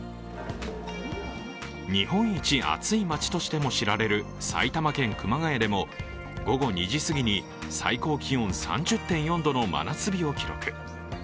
日本一暑い街としても知られる埼玉県・熊谷でも午後２時過ぎに最高気温３０．４度の真夏日を記録。